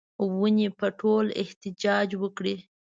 ونې به ټوله احتجاج وکړي